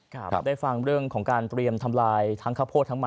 ได้ฟังเรื่องของการเตรียมทำลายทั้งข้าวโพดทั้งมัน